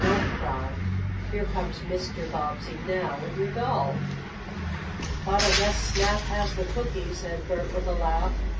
Don't cry. Here comes Mr. Bobbsey now, with your doll." "But I guess Snap has the cookie," said Bert with a laugh.